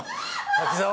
滝沢！